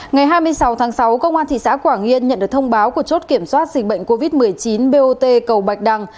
ngày hai mươi sáu tháng sáu công an thị xã quảng yên nhận được thông báo của chốt kiểm soát dịch bệnh covid một mươi chín bot cầu bạch đăng